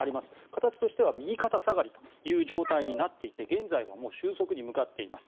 形としては右肩下がりという状態になっていて現在は収束に向かっています。